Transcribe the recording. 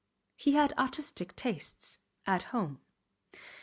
He had artistic tastes at home.